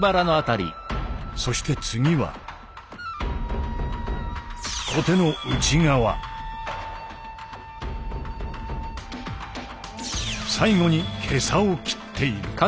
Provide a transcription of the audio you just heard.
そして次は最後に袈裟を斬っている。